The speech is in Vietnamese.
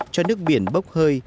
cho nước biển bốc hơi